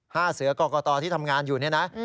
เสือกรกตที่ทำงานอยู่นี่นะ